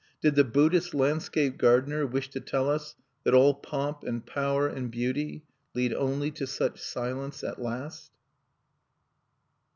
Did the Buddhist landscape gardener wish to tell us that all pomp and power and beauty lead only to such silence at last?